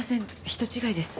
人違いです。